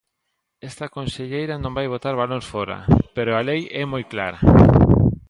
Esta conselleira non vai botar balóns fóra, pero a lei é moi clara.